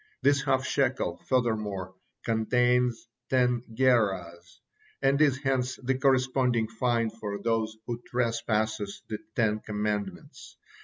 This half shekel, furthermore, contains ten gerahs, and is hence the corresponding fine for those who trespassed the Ten Commandments.